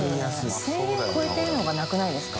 隠娃娃葦超えてるのがなくないですか？